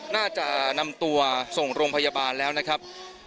น่าจะนำตัวส่งโรงพยาบาลแล้วนะครับ